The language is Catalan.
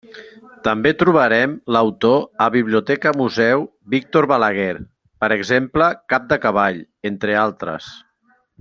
També trobarem l'autor a Biblioteca Museu Víctor Balaguer, per exemple, Cap de cavall, entre altres.